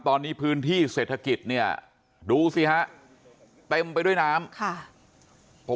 ตอนนี้พื้นที่เศรษฐกิจเนี่ยดูสิฮะเต็มไปด้วยน้ำค่ะ